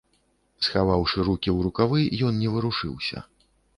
Схаваўшы рукі ў рукавы, ён не варушыўся.